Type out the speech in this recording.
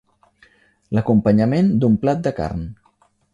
L'acompanyament d'un plat de carn.